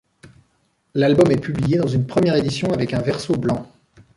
L'album est publié dans une première édition avec un verso blanc.